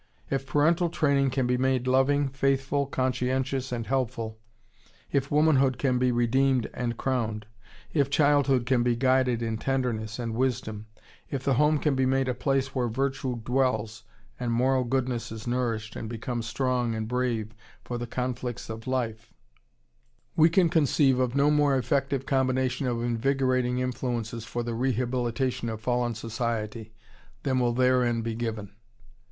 If parental training can be made loving, faithful, conscientious, and helpful, if womanhood can be redeemed and crowned, if childhood can be guided in tenderness and wisdom, if the home can be made a place where virtue dwells, and moral goodness is nourished and becomes strong and brave for the conflicts of life, we can conceive of no more effective combination of invigorating influences for the rehabilitation of fallen society than will therein be given.